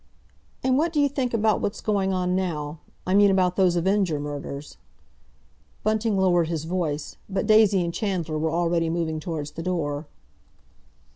"And what d'you think about what's going on now—I mean about those Avenger murders?" Bunting lowered his voice, but Daisy and Chandler were already moving towards the door.